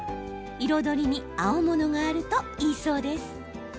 彩りに青物があるといいそうです。